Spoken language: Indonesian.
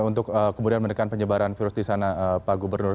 untuk kemudian menekan penyebaran virus di sana pak gubernur